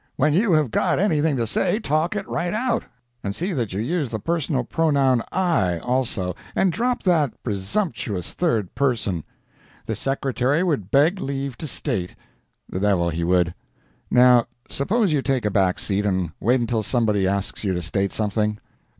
When you have got anything to say, talk it right out; and see that you use the personal pronoun 'I,' also, and drop that presumptuous third person. 'The Secretary would beg leave to state!' The devil he would. Now suppose you take a back seat, and wait until somebody asks you to state something.